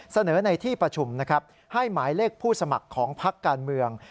เสนอในที่ประชุมนะครับให้หมายเลขผู้สมัครของพักการเมือง